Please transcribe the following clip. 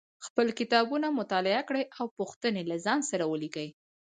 خپل کتابونه مطالعه کړئ او پوښتنې له ځان سره ولیکئ